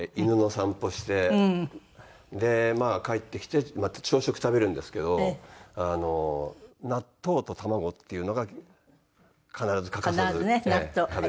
でまあ帰ってきてまた朝食食べるんですけどあの納豆と卵っていうのが必ず欠かさず食べてます。